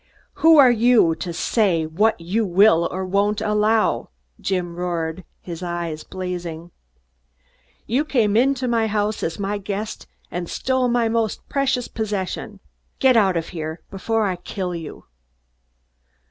"Who are you to say what you will or won't allow?" Jim roared, his eyes blazing. "You came into my house as my guest and stole my most precious possession. Get out before I kill you!"